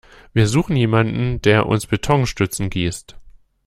Wir suchen jemanden, der uns Betonstützen gießt.